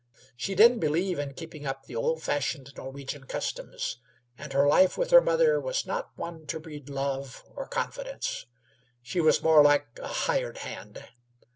She didn't believe in keeping up the old fashioned Norwegian customs, and her life with her mother was not one to breed love or confidence. She was more like a hired hand.